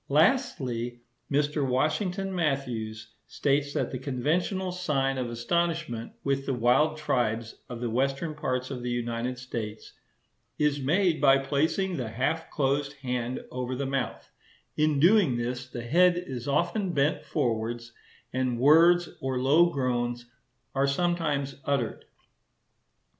Lastly, Mr. Washington Matthews states that the conventional sign of astonishment with the wild tribes of the western parts of the United States "is made by placing the half closed hand over the mouth; in doing this, the head is often bent forwards, and words or low groans are sometimes uttered."